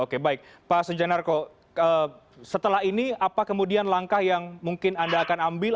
oke baik pak sujanarko setelah ini apa kemudian langkah yang mungkin anda akan ambil